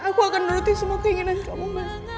aku akan menuruti semua keinginan kamu mbak